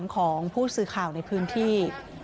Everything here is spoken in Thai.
ของผู้สื่อข่าวในพื้นที่